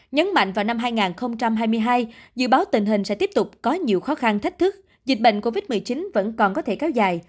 nhấn mạnh vào năm hai nghìn hai mươi hai dự báo tình hình sẽ tiếp tục có nhiều khó khăn thách thức dịch bệnh covid một mươi chín vẫn còn có thể kéo dài